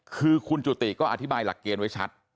คือคุณจุติก็อธิบายหลักเกณฑ์ไว้ชัด